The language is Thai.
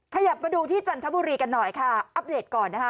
ขยับมาดูที่จันทบุรีกันหน่อยค่ะอัปเดตก่อนนะคะ